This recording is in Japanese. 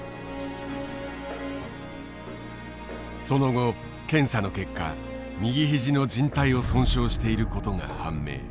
その後検査の結果右肘のじん帯を損傷していることが判明。